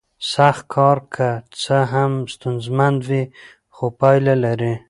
سخت کار که څه هم ستونزمن وي خو پایله لري